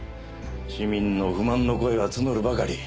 市民の不満の声は募るばかり。